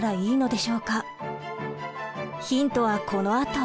ヒントはこのあと！